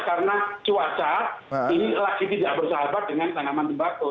karena cuaca ini lagi tidak bersahabat dengan tanaman tembaku